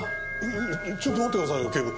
ちょっと待ってくださいよ警部。